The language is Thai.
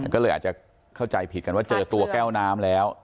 ก็เลยอาจจะเข้าใจผิดกันว่าเจอตัวแก้วน้ำแล้ว